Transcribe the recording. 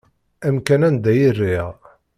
Amkan anda i rriɣ.